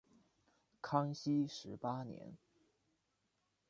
康熙十八年。